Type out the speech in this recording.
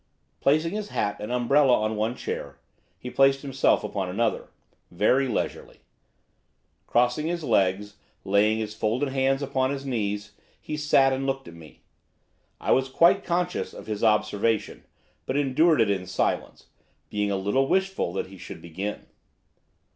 Placing his hat and umbrella on one chair, he placed himself upon another, very leisurely. Crossing his legs, laying his folded hands upon his knees, he sat and looked at me. I was quite conscious of his observation; but endured it in silence, being a little wishful that he should begin.